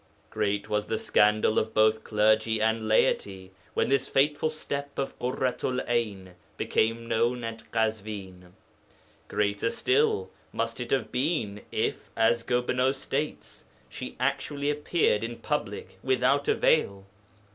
Great was the scandal of both clergy and laity when this fateful step of Ḳurratu'l 'Ayn became known at Kazwin. Greater still must it have been if (as Gobineau states) she actually appeared in public without a veil.